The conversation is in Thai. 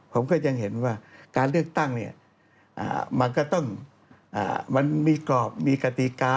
ผมก็ยังเห็นว่าการเลือกตั้งเนี่ยมันก็ต้องมันมีกรอบมีกติกา